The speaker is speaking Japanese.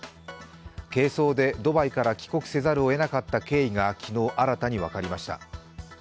軽装でドバイから帰国せざるを得なかった経緯が昨日、新たに分かりました。